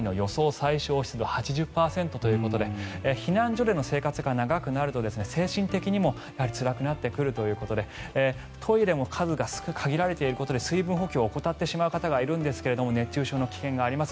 最小湿度８０％ということで避難所での生活が長くなると精神的にもつらくなってくるということでトイレの数が限られていることで水分補給を怠ってしまう方がいるんですけど熱中症の危険があります。